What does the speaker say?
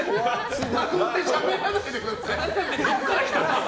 津田語でしゃべらないでください。